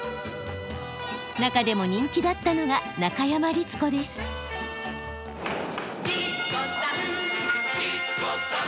中でも人気だったのが「律子さん律子さん